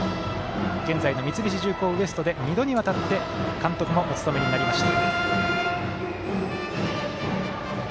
現在の三菱重工Ｗｅｓｔで２度にわたって監督もお務めになりました。